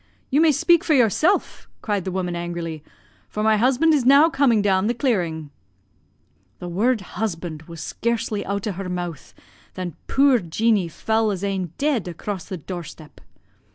"'You may speak for yourself!' cried the woman angrily, 'for my husband is now coming down the clearing.' "The word husband was scarcely out o' her mouth than puir Jeanie fell as ane dead across the door step.